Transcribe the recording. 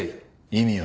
意味は？